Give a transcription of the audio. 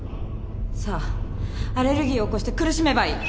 さあアレルギーを起こして苦しめばいい！